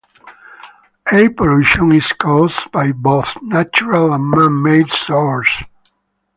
Air pollution is caused by both natural and man-made sources.